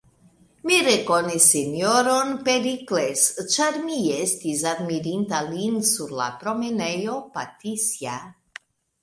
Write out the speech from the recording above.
Mi rekonis S-ron Perikles, ĉar mi estis admirinta lin sur la promenejo Patisja.